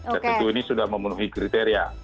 dan tentu ini sudah memenuhi kriteria